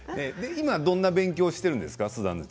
今どんな勉強をしているんですか？